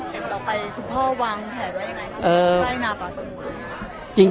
สักท่าที่ต่อไปคุณพ่อวางแผนไว้อย่างไรครับในในประสบุรุษ